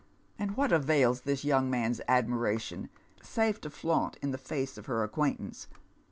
and what avails this young man's admira tion, save to flaunt in the face of her acquaintance